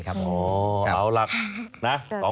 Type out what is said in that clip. อ๋อเหล่าหลักนะคะ